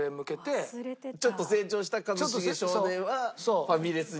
ちょっと成長した一茂少年はファミレスに。